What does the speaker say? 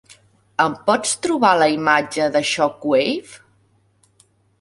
Em pots trobar la imatge de Shockwave?